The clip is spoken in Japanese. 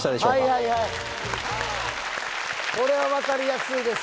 はいはいはいこれは分かりやすいです・